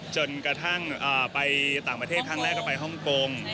จนกระทั่งไปต่างประเทศครั้งแรกก็ไปฮ่องกง